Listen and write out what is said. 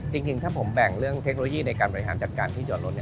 จริงถ้าผมแบ่งเรื่องเทคโนโลยีในการบริหารจัดการที่จอดรถ